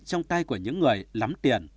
trong tay của những người lắm tiền